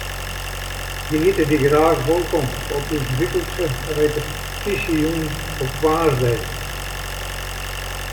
Wy hjitte dy graach wolkom op ús wyklikse repetysjejûn op woansdei.